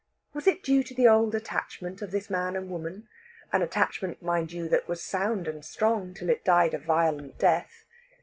Was it due to the old attachment of this man and woman an attachment, mind you, that was sound and strong till it died a violent death?